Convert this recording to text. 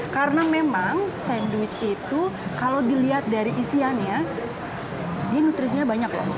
karena memang sandwich itu kalau dilihat dari isiannya dia nutrisinya banyak loh